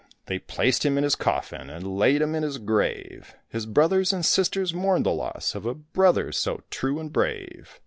They placed him in his coffin and laid him in his grave; His brothers and sisters mourned the loss of a brother so true and brave.